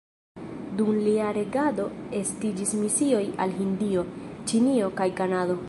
Dum lia regado estiĝis misioj al Hindio, Ĉinio kaj Kanado.